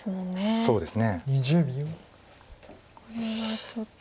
そうですね